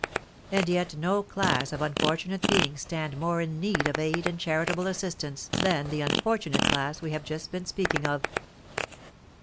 And yet no class of unfortunate beings stand more in need of aid and charitable assistance than the unfortunate class we have just been speaking of.